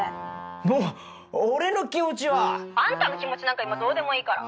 もう俺の気持ちは。あんたの気持ちなんか今どうでもいいから。